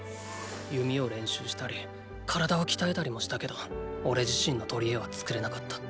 弓を練習したり体を鍛えたりもしたけどおれ自身の“とりえ”は作れなかった。